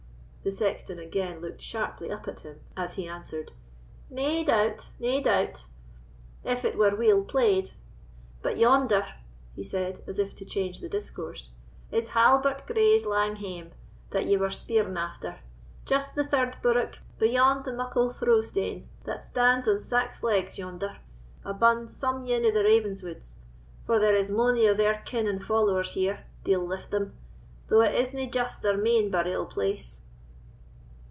The sexton again looked sharply up at him, as he answered. "Nae doubt—nae doubt, if it were weel played; but yonder," he said, as if to change the discourse, "is Halbert Gray's lang hame, that ye were speering after, just the third bourock beyond the muckle through stane that stands on sax legs yonder, abune some ane of the Ravenswoods; for there is mony of their kin and followers here, deil lift them! though it isna just their main burial place."